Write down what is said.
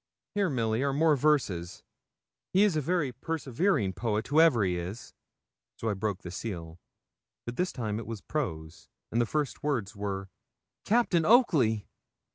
'Here, Milly, are more verses. He is a very persevering poet, whoever he is.' So I broke the seal; but this time it was prose. And the first words were 'Captain Oakley!'